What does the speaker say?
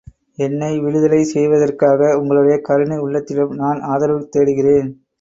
என்னை விடுதலை செய்வதற்காக உங்களுடைய கருணை உள்ளத்திடம் நான் ஆதரவு தேடுகிறேன்.